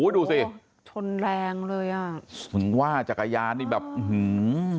ดูซิมาชนแรงเลยน่ะมึงว่าจักรยานี่แบบหรือ